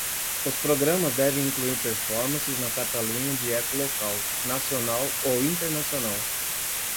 Os programas devem incluir performances na Catalunha de eco local, nacional ou internacional.